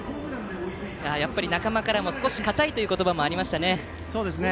仲間からも少し硬いという言葉がありました。